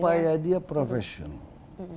supaya dia profesional